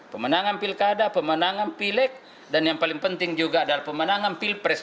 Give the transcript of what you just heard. pemenangan pilkada pemenangan pilek dan yang paling penting juga adalah pemenangan pilpres